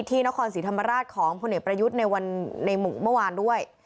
ที่นครศิริภรรรดิ์ของผลิตประยุทธ์ในมุมงค์เมื่อวานด้วย